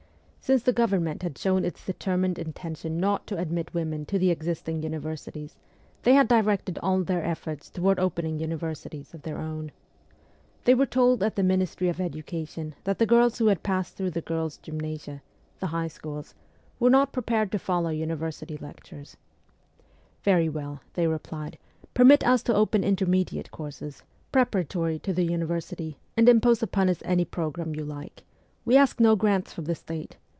Since the Government had shown its determined intention not to admit women to the existing univer sities they had directed all their efforts toward opening universities of their own. They were told at the Ministry of Education that the girls who had passed through the girls' gymnasia (the high schools) were not prepared to follow university lectures. 'Very well/ ST. PETERSBURG 41 they replied, ' permit us to open intermediate courses, preparatory to the university, and impose upon us any programme you like. We ask no grants from the State.